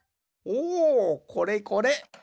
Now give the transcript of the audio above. おおこれこれ。